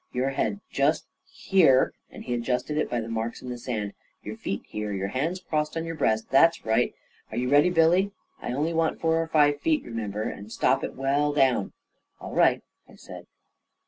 " Your head just here," and he adjusted it by the marks in the sand. " Your feet here ; your hands crossed on your breast. That's right. Are you ready, Billy? I only want four or five feet, remem ber, and stop it well down." " All right," I said.